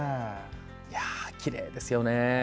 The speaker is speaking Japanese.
きれいですよね。